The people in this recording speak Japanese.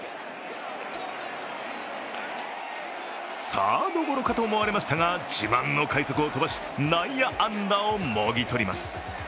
サードゴロかと思われましたが、自慢の快足を飛ばし、内野安打をもぎ取ります。